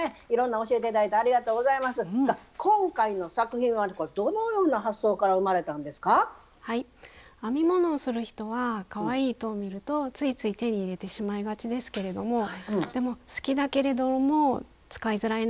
編み物をする人はかわいい糸を見るとついつい手に入れてしまいがちですけれどもでも好きだけれども使いづらいなぁっていう糸ありますよね。